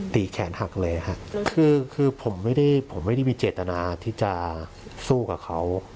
ตีแขนหักเลยอะครับคือผมไม่ได้มีเจตนาที่จะสู้กับเขา